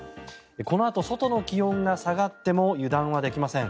このあと外の気温が下がっても油断はできません。